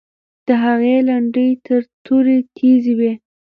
د هغې لنډۍ تر تورې تیزې وې.